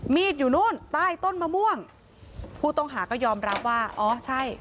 มีดอยู่นู่นใต้ต้นมะม่วงผู้ต้องหาก็ยอมรับว่าอ๋อใช่